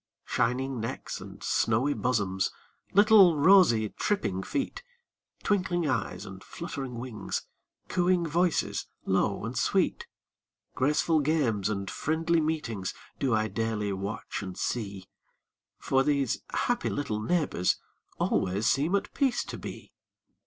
Shining necks and snowy bosoms, Little rosy, tripping feet, Twinkling eyes and fluttering wings, Cooing voices, low and sweet, Graceful games and friendly meetings, Do I daily watch and see. For these happy little neighbors Always seem at peace to be.